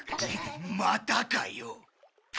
またかよ。